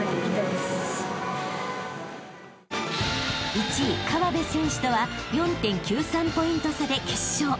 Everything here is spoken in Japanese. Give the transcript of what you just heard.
［１位河辺選手とは４．９３ポイント差で決勝］